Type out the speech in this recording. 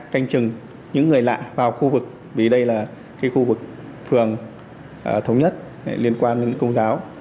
canh chừng những người lạ vào khu vực vì đây là khu vực phường thống nhất liên quan đến công giáo